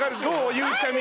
ゆうちゃみ。